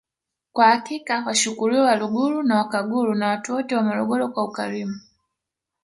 Kwa hakika washukuriwe Waluguru na Wakaguru na watu wote wa Morogoro kwa ukarimu